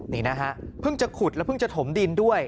นี่นะฮะเพิ่งจะขุดแล้วเพิ่งจะถมดินด้วย